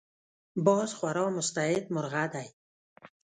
باز خورا مستعد مرغه دی